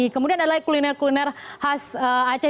kemudian adalah kuliner kuliner khas aceh